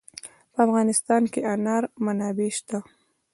په افغانستان کې د انار منابع شته.